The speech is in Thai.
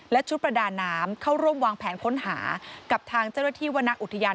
และชุดประดาน้ำเข้าร่วมวางแผนค้นหากับทางเจ้าหน้าที่วรรณอุทยาน